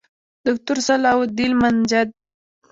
دوکتور صلاح الدین المنجد